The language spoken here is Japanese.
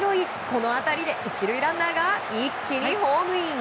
この当たりで１塁ランナーが一気にホームイン。